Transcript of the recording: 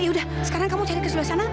yaudah sekarang kamu cari keseluruhannya